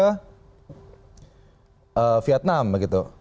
ke vietnam begitu